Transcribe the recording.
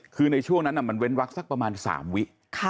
คือในช่วงนั้นมันเว้นวักสักประมาณ๓วิ